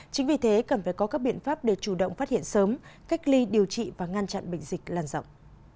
chính vì thế cần phải có các biện pháp để chủ động phát hiện sớm cách ly điều trị và ngăn chặn bệnh dịch lan rộng